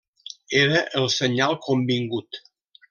Era el senyal convingut.